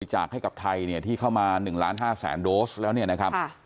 จากให้กับไทยเนี่ยที่เข้ามา๑ล้าน๕แสนโดสแล้วเนี่ยนะครับ